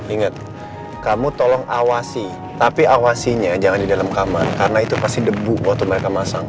ingat kamu tolong awasi tapi awasinya jangan di dalam kamar karena itu pasti debu waktu mereka masang